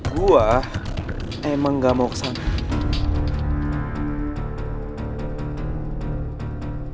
gua emang gak mau kesana